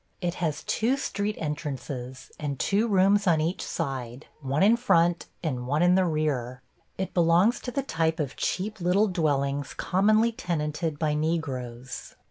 It has two street entrances and two rooms on each side, one in front and one in the rear. It belongs to the type of cheap little dwellings commonly tenanted by Negroes.